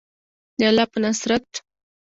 د الله په نصرت.